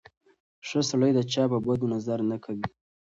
ښه سړی د چا په بدو نظر نه کوي.